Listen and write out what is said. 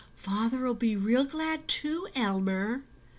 "Father'll be real glad too, Elmer."